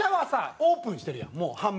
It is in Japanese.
オープンしてるやんもう半分。